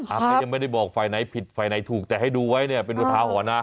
ครับยังไม่ได้บอกไฟไหนผิดไฟไหนถูกแต่ให้ดูไว้เนี่ยเป็นวิธาหรณะ